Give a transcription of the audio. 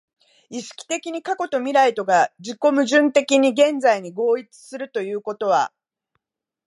意識的に過去と未来とが自己矛盾的に現在に合一するということは、